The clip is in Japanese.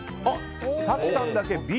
早紀さんだけＢ。